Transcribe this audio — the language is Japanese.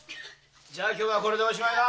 じゃ今日はこれでおしまいだ！